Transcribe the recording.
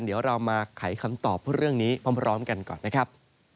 เดี๋ยวเรามาไขคำตอบเพื่อเรื่องนี้พร้อมไปก่อนครับ